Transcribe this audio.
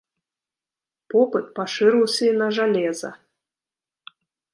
Попыт пашырыўся і на жалеза.